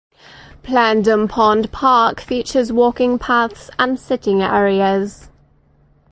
Plandome Pond Park features walking paths and sitting areas.